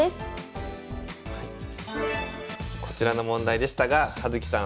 こちらの問題でしたが葉月さん